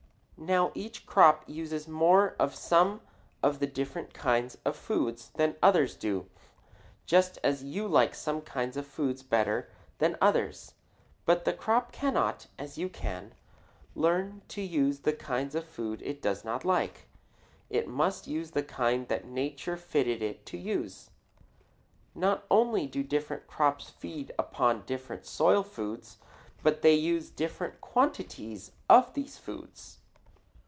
Now each crop uses more of some of the different kinds of foods than others do, just as you like some kinds of food better than others. But the crop cannot, as you can, learn to use the kinds of food it does not like; it must use the kind that nature fitted it to use. Not only do different crops feed upon different soil foods, but they use different quantities of these foods.